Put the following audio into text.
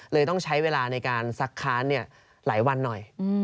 ต้องใช้เวลาในการซักค้านหลายวันหน่อย